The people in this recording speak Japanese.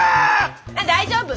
あ大丈夫。